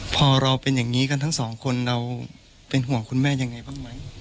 พอเราเป็นอย่างนี้กันทั้งสองคนเราเป็นห่วงคุณแม่ยังไงบ้างไหม